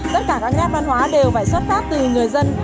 tất cả các nét văn hóa đều phải xuất phát từ người dân